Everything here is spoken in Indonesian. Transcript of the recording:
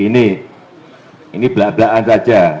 ini ini belak belakan saja